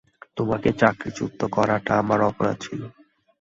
তোমাকে চাকরিচ্যুত করাটা আমার অপরাধ ছিল।